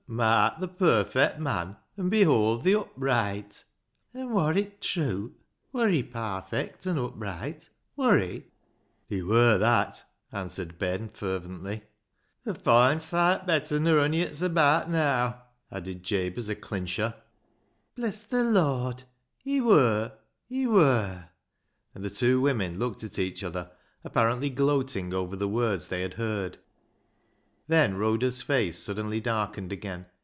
""' Mark the perfect man and behold the upright,' " said Jabe. THE MEMORY OF THE JUST 235 " An' wor it trew ? Wor he parfect an' upright ? Wor he ?" "He wur that," answered Ben fervently, " A foine seet better nor ony 'at's abaat naa," added Jabe as a chncher. " Bless th' Lord ! He wur ! He wur !" And the two women looked at each other, apparently gloating over the words they had heard. Then Rhoda's face suddenly darkened again.